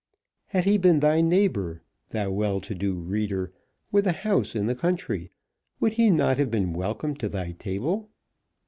Had he been thy neighbour, thou well to do reader, with a house in the country, would he not have been welcome to thy table?